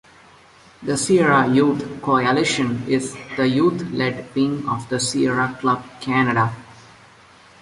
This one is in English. The Sierra Youth Coalition is the youth-led wing of the Sierra Club Canada.